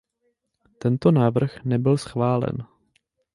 Tento návrh nebyl schválen.